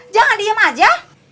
jangan diem aja